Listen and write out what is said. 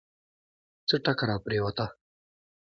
څه ټکه راپرېوته.